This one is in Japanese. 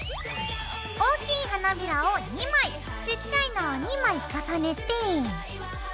大きい花びらを２枚ちっちゃいのを２枚重ねて。